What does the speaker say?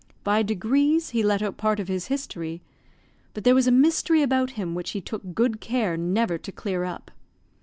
By degrees he let out part of his history; but there was a mystery about him which he took good care never to clear up.